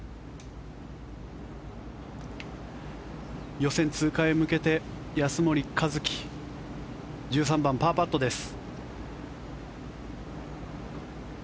予選通過へ向けて安森一貴１３番、パーパットです。